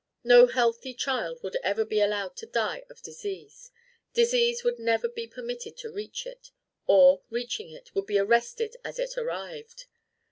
No healthy child would ever be allowed to die of disease; disease would never be permitted to reach it, or reaching it, would be arrested as it arrived.